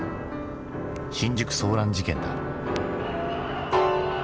新宿騒乱事件だ。